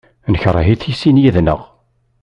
Nekṛeh-it i sin yid-nneɣ.